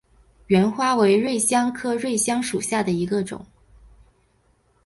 芫花为瑞香科瑞香属下的一个种。